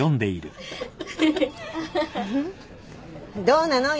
どうなの？